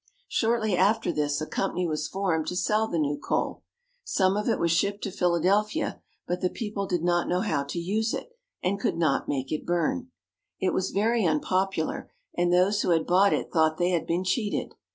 Shortly after this a company was formed to sell the new coal. Some of it was shipped to Philadelphia; but the people did not know how to use it, and could not make it burn. It was very unpopular, and those who had bought it thought they had been cheated.